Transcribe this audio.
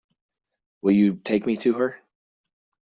Will you take me to her?